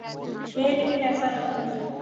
گے لیکن ایسا نہ ہوا۔